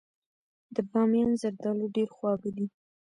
د بامیان زردالو ډیر خواږه دي.